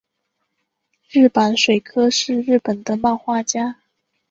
日坂水柯是日本的漫画家。